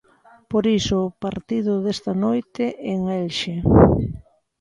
Por iso o partido desta noite en Elxe...